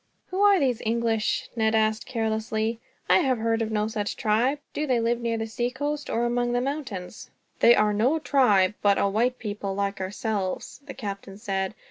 "Who are these English?" Ned asked, carelessly. "I have heard of no such tribe. Do they live near the seacoast, or among the mountains?" "They are no tribe, but a white people, like ourselves," the captain said.